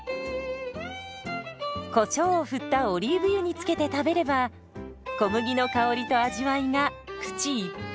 こしょうを振ったオリーブ油につけて食べれば小麦の香りと味わいが口いっぱい！